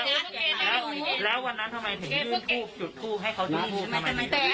นี่รถไหม